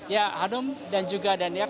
ya harum dan juga daniel